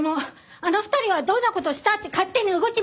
あの２人はどんな事をしたって勝手に動きます。